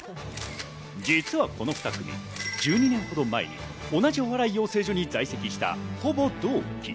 実はこの２人、１２年ほど前に同じお笑い養成所に在籍したほぼ同期。